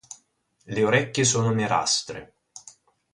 Le orecchie sono nerastre.